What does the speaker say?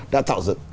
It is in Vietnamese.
đã tạo dựng